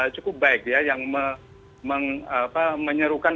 cukup baik ya yang menyerukan